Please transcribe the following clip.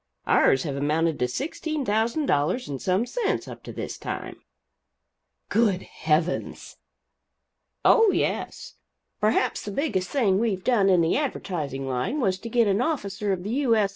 Ours have amounted to sixteen thousand dollars and some cents up to this time." "Good heavens!" "Oh, yes. Perhaps the biggest thing we've done in the advertising line was to get an officer of the U. S.